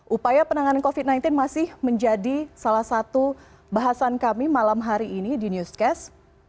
upaya penanganan covid sembilan belas masih menjadi salah satu bahasan kami malam hari ini di newscast